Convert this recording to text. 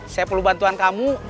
saya perlu bantuan kamu